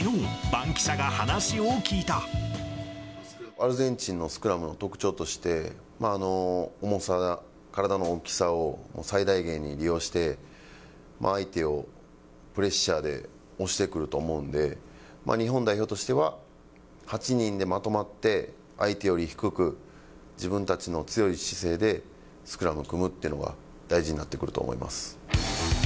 アルゼンチンのスクラムの特徴として、重さ、体の大きさを最大限に利用して、相手をプレッシャーで押してくると思うんで、日本代表としては、８人でまとまって、相手より低く、自分たちの強い姿勢でスクラムを組むっていうのが大事になってくると思います。